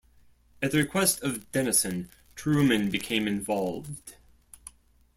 At the request of Dennison, Truman became involved.